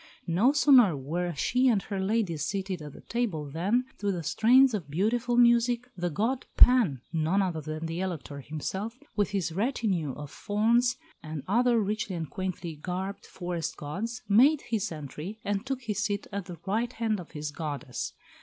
No sooner were she and her ladies seated at the table than, to the strains of beautiful music, the god Pan (none other than the Elector himself), with his retinue of fawns and other richly and quaintly garbed forest gods, made his entry, and took his seat at the right hand of his goddess.